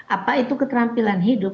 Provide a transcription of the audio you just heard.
apa itu keterampilan hidup